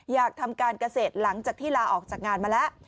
อยากทำการเกษตรหลังจากที่ลาออกจากงานมาแล้ว